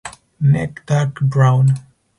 Neck dark brown.